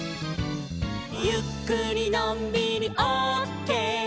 「ゆっくりのんびりオッケー」